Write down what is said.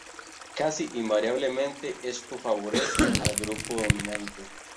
Casi invariablemente esto favorece al grupo dominante.